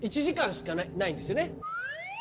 １時間しかないんですよね。